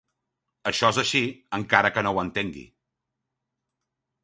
Això és així, encara que no ho entengui.